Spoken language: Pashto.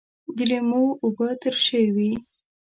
د لیمو اوبه ترشی وي